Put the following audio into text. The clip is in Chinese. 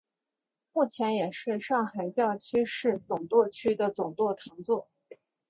目前也是上海教区市区总铎区的总铎座堂。